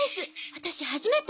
私初めて！